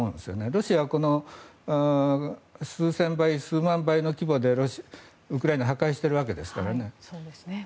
ロシアは数千倍、数万倍の規模でウクライナを破壊しているわけですからね。